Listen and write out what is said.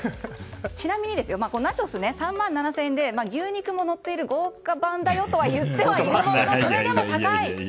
ちなみに、このナチョス３万７０００円で牛肉ものっている豪華版だよといっているはもののそれでも高い。